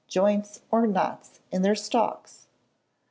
joints, or knots in their stalks?